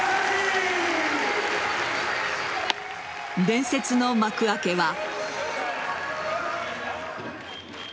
伝説の幕開けは。